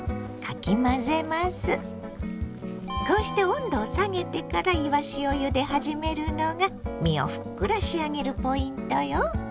こうして温度を下げてからいわしをゆで始めるのが身をふっくら仕上げるポイントよ。